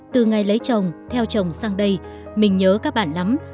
từ ngày lấy chồng theo chồng sang đây mình nhớ các bạn lắm